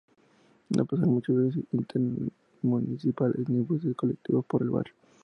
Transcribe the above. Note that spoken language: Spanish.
No pasan muchos buses intermunicipales ni buses "colectivos" por el barrio.